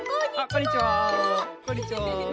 こんにちは。